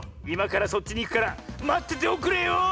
いまからそっちにいくからまってておくれよ！